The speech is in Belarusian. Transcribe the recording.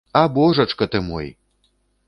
А божачка ты мой!